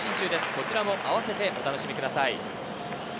こちらもあわせてお楽しみください。